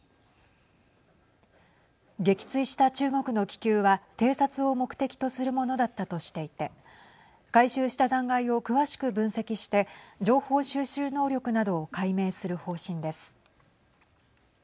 撃墜した中国の気球は偵察を目的とするものだったとしていて回収した残骸を詳しく分析して情報収集能力などを解明する方針です。